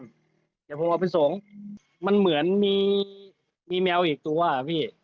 เดี๋ยวผมเอาไปส่งมันเหมือนมีแมวอีกตัวอ่ะพี่